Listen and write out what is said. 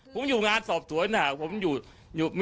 คือปฏิเสธเรื่องคุมคุม